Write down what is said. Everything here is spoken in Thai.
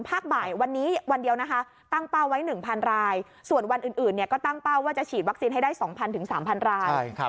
บ่ายวันนี้วันเดียวนะคะตั้งเป้าไว้๑๐๐รายส่วนวันอื่นก็ตั้งเป้าว่าจะฉีดวัคซีนให้ได้๒๐๐๓๐๐ราย